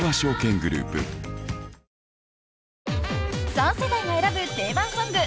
［３世代が選ぶ定番ソング］